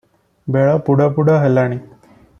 ବେଳ ବୁଡ଼ ବୁଡ଼ ହେଲାଣି ।